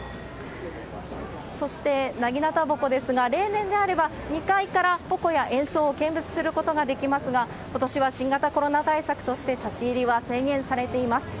そして、長刀鉾ですが、例年であれば２回から鉾やげんそうは見物することができますが、ことしは新型コロナ対策として、立ち入りは制限されています。